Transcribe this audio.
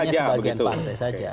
hanya sebagian partai saja